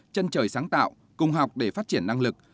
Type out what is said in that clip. chân trời sáng tạo cùng học để phát triển năng lực